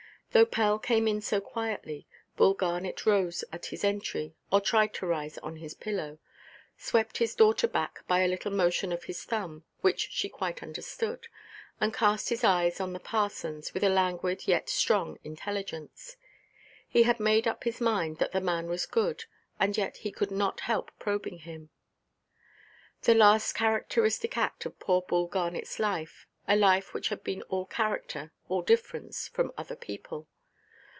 Though Pell came in so quietly, Bull Garnet rose at his entry, or tried to rise on the pillow, swept his daughter back by a little motion of his thumb, which she quite understood, and cast his eyes on the parsonʼs with a languid yet strong intelligence. He had made up his mind that the man was good, and yet he could not help probing him. The last characteristic act of poor Bull Garnetʼs life, a life which had been all character, all difference, from other people.